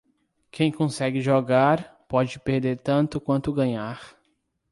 Quem consegue jogar, pode perder tanto quanto ganhar.